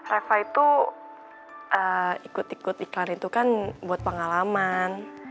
reva itu ikut ikut iklan itu kan buat pengalaman